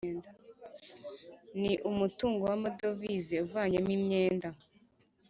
ni umutungo w’amadovize uvanyemo imyenda